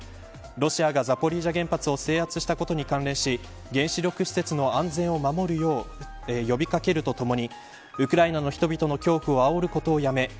ロシアが、ザポリージャ原発を制圧したことに関連し原子力施設の安全を守るよう呼びかけるとともにウクライナの人々の恐怖をあおることをやめ